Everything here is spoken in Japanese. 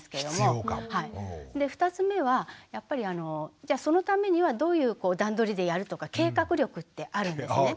２つ目はやっぱりじゃあそのためにはどういう段取りでやるとか計画力ってあるんですね。